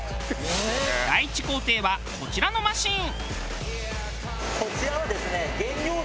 第１工程はこちらのマシン。